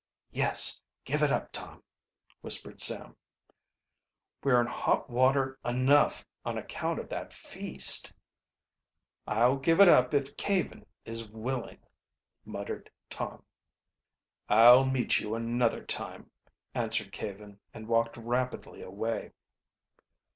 "Yes, give it up, Tom," whispered Sam. "We're in hot water enough, on account of that feast." "I'll give it up if Caven is willing," muttered "I'll meet you another time," answered Caven, and walked rapidly away.